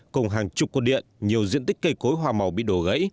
cùng hàng chục cột điện nhiều diện tích cây cối hoa màu bị đổ gãy